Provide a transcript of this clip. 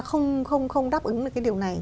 không đáp ứng được cái điều này